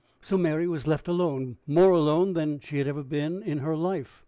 So Mary was left alone more alone than she had ever been in her life.